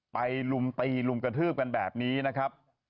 ลุมตีลุมกระทืบกันแบบนี้นะครับ